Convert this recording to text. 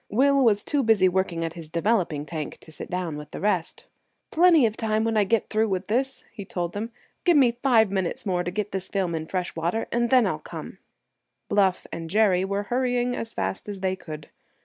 Will was too busy working at his developing tank to sit down with the rest. "Plenty of time when I get through with this," he told them. "Give me five minutes more to get this film in fresh water and then I'll come." Bluff and Jerry were hurrying as fast as they could.